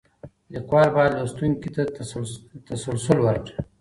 ليکوال بايد لوستونکي ته تسلس ورکړي.